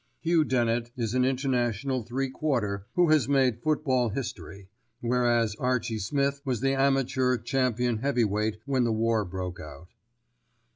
Hugh Dennett is an international three quarter who has made football history, whereas Archie Smith was the amateur champion heavy weight when the war broke out.